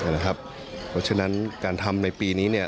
เพราะฉะนั้นการทำในปีนี้